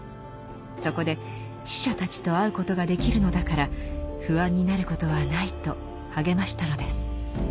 そこで死者たちと会うことができるのだから不安になることはないと励ましたのです。